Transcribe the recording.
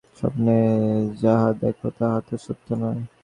স্বপ্নে যাহা দেখ, তাহা তো সত্য নয়।